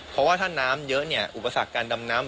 เพราะว่าน้ำเยอะอุปสรรคการดำน้ำ